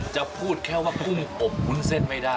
จะพูดแค่ว่าทุ่มอบวุ้นเส้นไม่ได้